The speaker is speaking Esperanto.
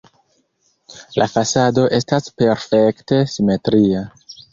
La fasado estas perfekte simetria.